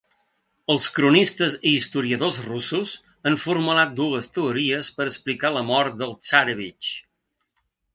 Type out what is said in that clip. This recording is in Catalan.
Els cronistes i historiadors russos han formulat dues teories per explicar la mort del tsarévitx.